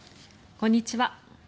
こんにちは。